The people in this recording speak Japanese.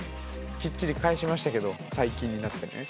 きっちり返しましたけど最近になってね。